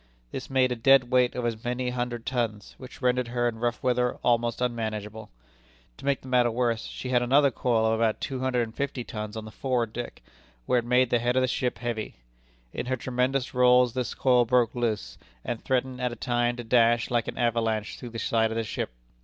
This made a dead weight of as many hundred tons, which rendered her in rough weather almost unmanageable. To make the matter worse, she had another coil of about two hundred and fifty tons on the forward deck, where it made the head of the ship heavy. In her tremendous rolls, this coil broke loose, and threatened at a time to dash like an avalanche through the side of the ship.